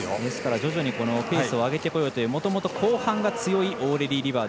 徐々にペースを上げてこようというもともと後半が強いオーレリー・リバー。